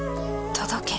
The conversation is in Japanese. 届け。